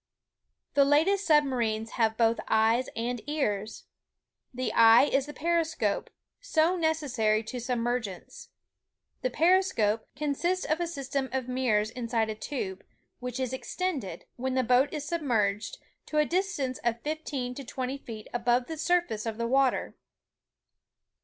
The latest submarines have both eyes and ears. The eye is the periscope, so necessary to submergence. The periscope consists of a system of mirrors inside a tube, which is extended, when the boat is submerged, to a dis tance of fifteen to twenty feet above the surface of the water.